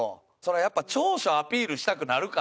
やっぱ長所アピールしたくなるから。